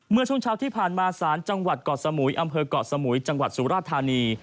เมื่อช่วงเช้าที่ผ่านมาศาลจังหวัดเกาะสมุยอำเภอกเกาะสมุยจังหวัดสุราธานี